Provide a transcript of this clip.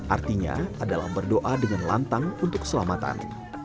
artinya adalah berdoa dengan lantang untuk keselamatan